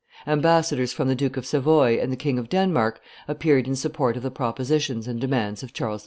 Ambassadors from the Duke of Savoy and the King of Denmark appeared in support of the propositions and demands of Charles V.